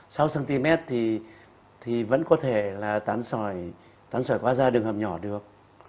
sỏi san hô sáu cm thì vẫn có thể là tán sỏi qua da đường hầm nhỏ được